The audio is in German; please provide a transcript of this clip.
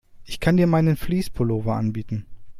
Ich kann dir meinen Fleece-Pullover anbieten.